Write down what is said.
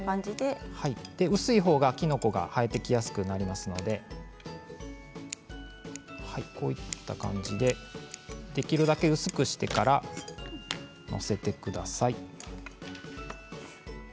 薄い方がきのこが生えてきやすくなりますのでできるだけ薄くしてから載せてください。